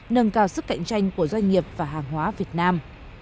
nâng cao sức cạnh tranh của doanh nghiệp và hàng hóa việt nam